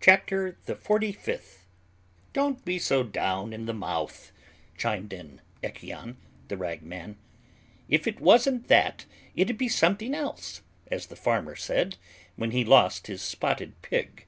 CHAPTER THE FORTY FIFTH. "Don't be so down in the mouth," chimed in Echion, the ragman; "if it wasn't that it'd be something else, as the farmer said, when he lost his spotted pig.